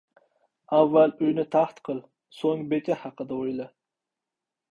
• Avval uyni taxt qil, so‘ng beka haqida o‘yla.